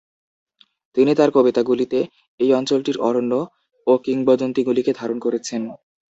তিনি তাঁর কবিতাগুলিতে এই অঞ্চলটির অরণ্য ও কিংবদন্তীগুলিকে ধারণ করেছেন।